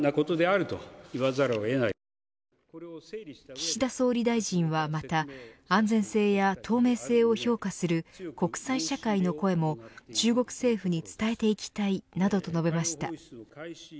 岸田総理大臣はまた安全性や透明性を評価する国際社会の声も中国政府に伝えていきたいなどと述べました。